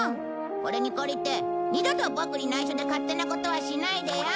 これに懲りて二度とボクに内緒で勝手なことはしないでよ！